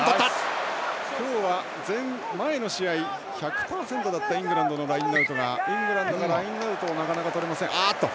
今日は、前の試合１００％だったイングランドのラインアウトがイングランドがなかなかラインアウトを取れません。